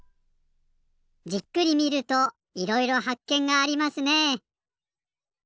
じっくり見るといろいろはっけんがありますね。